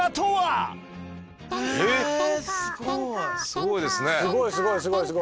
すごいですね。